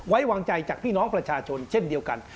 ไว้วางใจจากพี่น้องประชาชนเช่นเดียวกัน